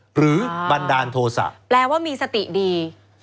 บันดาลโทษะแปลว่ามีสติดี